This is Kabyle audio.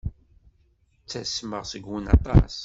Ttasmeɣ seg-wen aṭas.